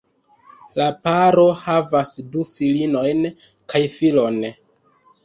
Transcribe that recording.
La paro havas du filinojn kaj filon.